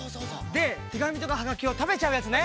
でてがみとかはがきをたべちゃうやつね。